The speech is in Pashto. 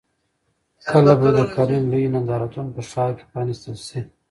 کله به د کرنې لوی نندارتون په ښار کې پرانیستل شي؟